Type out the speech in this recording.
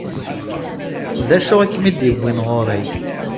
D acu i ken-id-iwwin ɣur-i?